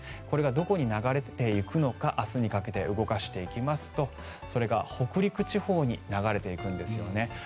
これがどこに流れていくのか明日にかけて動かしていきますとそれが北陸地方に流れていくんですね。